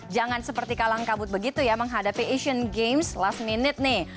jangan seperti kalang kabut begitu ya menghadapi asian games last minute nih